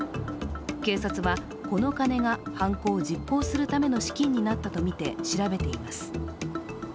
警察は、この金が犯行を実行するための資金になったとみて調べています。